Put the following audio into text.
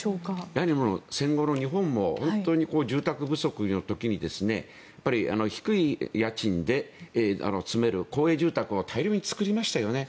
やはり戦後の日本も住宅不足の時に低い家賃で住める公営住宅を大量に作りましたよね。